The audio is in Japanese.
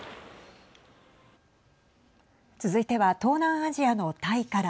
続いては東南アジアのタイから。